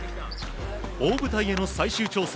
大舞台への最終調整。